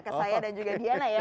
ke saya dan juga diana ya